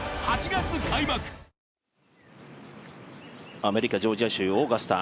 アメリカ、ジョージア州オーガスタ。